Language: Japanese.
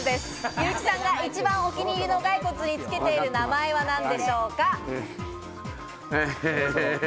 優木さんが一番お気に入りのガイコツにつけている名前は何でしょうか？